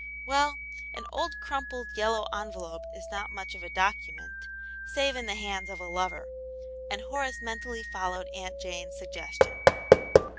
Well, an old, crumpled, yellow envelope is not much of a "document," save in the hands of a lover, and Horace mentally followed Aunt Jane's suggestion.